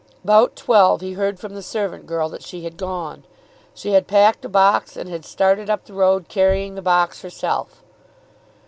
About twelve he heard from the servant girl that she had gone. She had packed a box and had started up the road carrying the box herself.